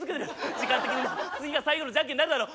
時間的にも次が最後のじゃんけんになるだろう。